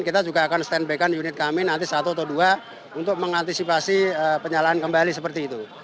kita juga akan stand by kan unit kami nanti satu atau dua untuk mengantisipasi penyalahan kembali seperti itu